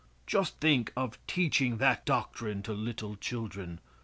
Just think of teaching that doctrine to little children!